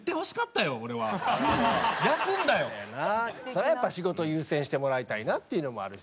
それはやっぱ仕事を優先してもらいたいなっていうのもあるしさ。